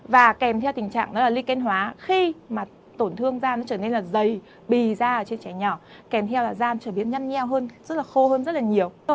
và kèm theo tình trạng đó là lý kênh hóa khi mà tổn thương da nó trở nên là dày bì da ở trên trẻ nhỏ kèm theo là da nó trở nên nhăn nheo hơn rất là khô hơn rất là nhiều